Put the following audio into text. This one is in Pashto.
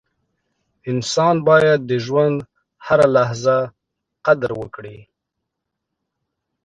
• انسان باید د ژوند هره لحظه قدر وکړي.